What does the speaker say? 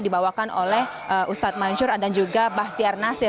dibawakan oleh ustadz mansur dan juga bahtiar nasir